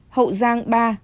hậu giang ba